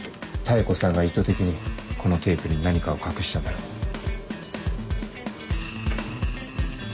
妙子さんが意図的にこのテープに何かを隠したんだろう。